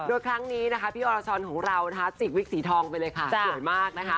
ด้วยครั้งนี้นะครับพี่อรชทวิคสีทองไปเลยค่ะ